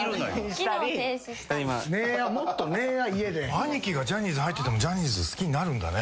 兄貴がジャニーズ入っててもジャニーズ好きになるんだね。